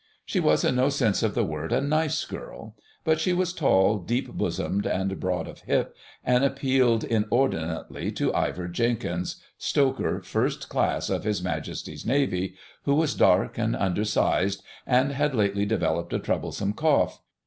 She was in no sense of the word a "nice" girl; but she was tall, deep bosomed, and broad of hip, and appealed inordinately to Ivor Jenkins, Stoker 1st Class of His Majesty's Navy, who was dark and undersized, and had lately developed a troublesome cough.